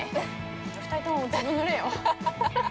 ２人ともずぶぬれよ。